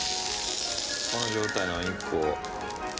この状態のお肉を。